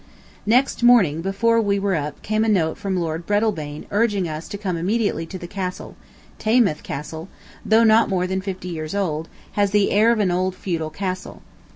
Next morning before we were up came a note from Lord Breadalbane urging us to come immediately to the Castle. ... Taymouth Castle, though not more than fifty years old, has the air of an old feudal castle.